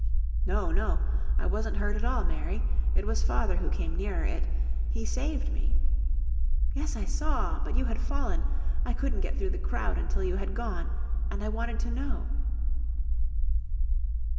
"No, no, I wasn't hurt at all Mary. It was father who came nearer it. He saved me." "Yes, I saw; but you had fallen. I couldn't get through the crowd until you had gone. And I wanted to KNOW."